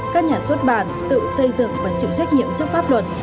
các nhà xuất bản tự xây dựng và chịu trách nhiệm trước pháp luật